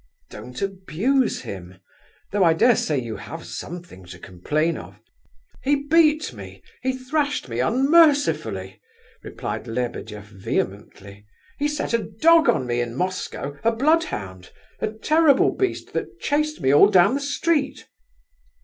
"Don't abuse him; though I dare say you have something to complain of...." "He beat me, he thrashed me unmercifully!" replied Lebedeff vehemently. "He set a dog on me in Moscow, a bloodhound, a terrible beast that chased me all down the street."